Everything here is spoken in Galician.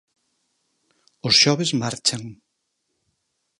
Os xoves marchan.